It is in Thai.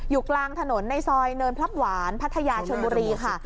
กลางถนนในซอยเนินพลับหวานพัทยาชนบุรีค่ะ